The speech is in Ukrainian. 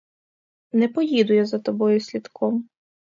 Не поїду я за тобою слідком.